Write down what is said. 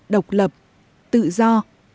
độc lập tự do